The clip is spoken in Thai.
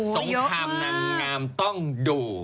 งครามนางงามต้องดู